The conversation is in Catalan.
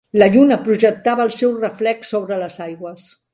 La lluna projectava el seu reflex sobre les aigües.